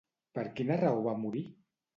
Per quina raó va morir?